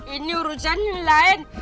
ini urusan lain